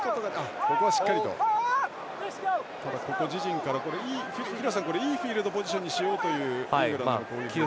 自陣からいいフィールドポジションにしようというイングランドの攻撃ですか。